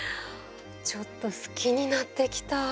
ちょっと好きになってきた。